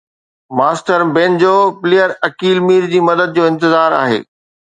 master banjo player Aqeel Mir جي مدد جو انتظار آهي